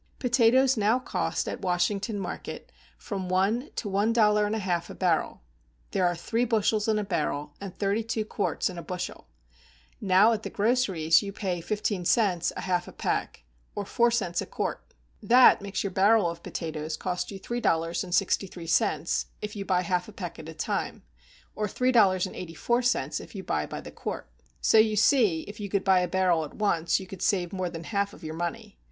Potatoes now cost at Washington market from one to one dollar and a half a barrel; there are three bushels in a barrel, and thirty two quarts in a bushel; now at the groceries you pay fifteen cents a half a peck, or four cents a quart; that makes your barrel of potatoes cost you three dollars and sixty three cents, if you buy half a peck at a time; or three dollars and eighty four cents if you buy by the quart. So you see if you could buy a barrel at once you could save more than one half of your money.